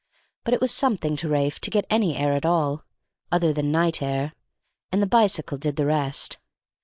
But it was something to Ralph to get any air at all, other than night air, and the bicycle did the rest.